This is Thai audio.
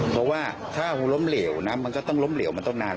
เพราะว่าถ้าล้มเหลวนะมันก็ต้องล้มเหลวมันต้องนาน